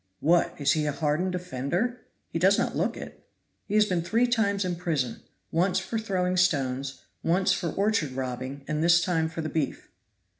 what! is he a hardened offender? he does not look it." "He has been three times in prison; once for throwing stones, once for orchard robbing, and this time for the beef."